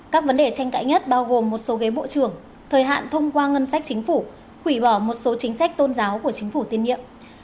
các vấn đề tranh cãi nhất bao gồm một số ghế bộ trưởng thời hạn thông qua ngân sách chính phủ hủy bỏ một số chính sách tôn giáo của chính phủ tiên nhiệm